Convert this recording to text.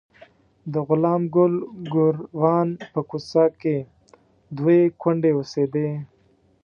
د غلام ګل ګوروان په کوڅه کې دوې کونډې اوسېدې.